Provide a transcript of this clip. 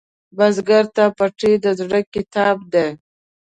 بزګر ته پټی د زړۀ کتاب دی